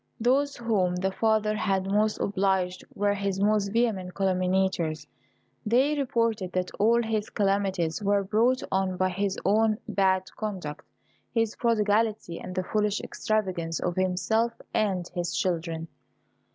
Those whom the father had most obliged were his most vehement calumniators: they reported that all his calamities were brought on by his own bad conduct, his prodigality, and the foolish extravagance of himself and his children.